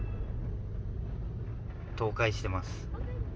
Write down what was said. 倒壊しています。